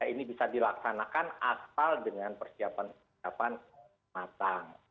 ini bisa dilaksanakan asal dengan persiapan persiapan matang